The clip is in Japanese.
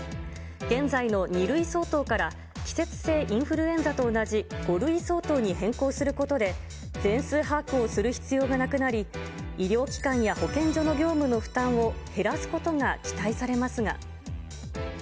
現在の２類相当から、季節性インフルエンザと同じ５類相当に変更することで、全数把握をする必要がなくなり、医療機関や保健所の業務の負担を減らすことが期待されますが。